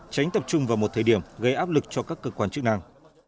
tránh tập trung vào một thời điểm gây áp lực cho các cơ quan chức năng